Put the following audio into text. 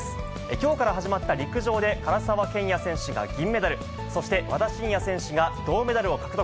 きょうから始まった陸上で、唐澤剣也選手が銀メダル、そして和田伸也選手が銅メダルを獲得。